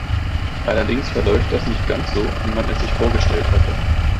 Allerdings verläuft das nicht ganz so, wie man es sich vorgestellt hatte.